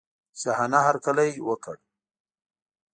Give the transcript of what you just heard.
شاهانه هرکلی وکړ.